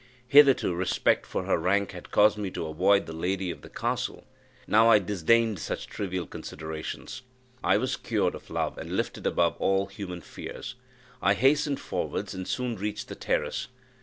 Hitherto, respect for her rank had caused me to avoid the lady of the castle; now I disdained such trivial considerations. I was cured of love, and lifted above all human fears; I hastened forwards, and soon reached the terrace.